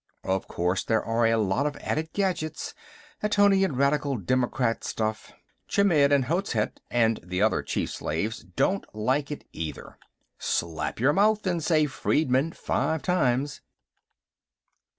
Of course, there are a lot of added gadgets; Atonian Radical Democrat stuff. Chmidd and Hozhet and the other chief slaves don't like it, either." "Slap your mouth and say, 'Freedmen,' five times."